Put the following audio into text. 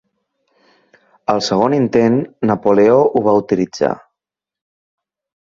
Al segon intent, Napoleó ho va autoritzar.